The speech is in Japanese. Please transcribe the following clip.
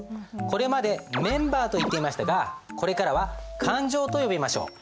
これまでメンバーといっていましたがこれからは勘定と呼びましょう。